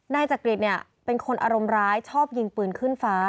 นายจักริตเนี่ยเป็นคนอารมณ์ร้ายชอบยิงปืนขึ้นฟ้า